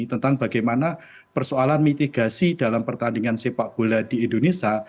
tentang bagaimana persoalan mitigasi dalam pertandingan sepak bola di indonesia